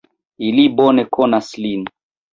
Ili bone konas lin.